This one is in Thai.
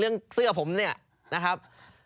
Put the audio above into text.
เรื่องเสื้อผมนี่นะครับ